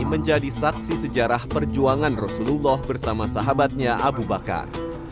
menjadi saksi sejarah perjuangan rasulullah bersama sahabatnya abu bakar